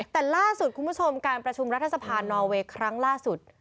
แต่ล่าสุดคุณผู้ชมการประชุมรัฐสภานอเวย์ครั้งล่าสุด